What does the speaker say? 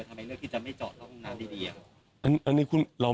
ทำให้เรือที่จะไม่เจาะห้องน้ำดีอ่ะอันนี้คุณเรา